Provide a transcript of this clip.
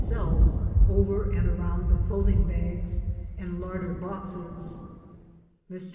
selves over and around the clothing bags and larder boxes. Mr.